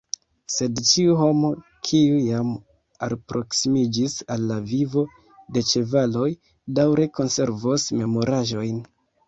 Sed ĉiu homo, kiu jam alproksimiĝis al la vivo de ĉevaloj, daŭre konservos memoraĵojn.